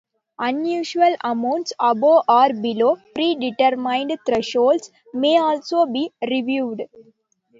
Unusual amounts above or below pre-determined thresholds may also be reviewed.